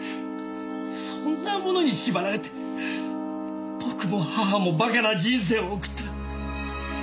そんなものに縛られて僕も母もバカな人生を送った。